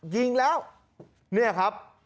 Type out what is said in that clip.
ยิงแล้วเนี่ยครับ